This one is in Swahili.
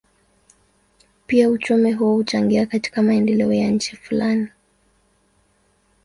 Pia uchumi huo huchangia katika maendeleo ya nchi fulani.